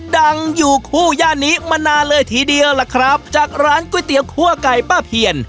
ดังอยู่คู่ย่านนี้มานานเลยทีเดียวล่ะครับจากร้านก๋วยเตี๋ยวคั่วไก่ป้าเพียน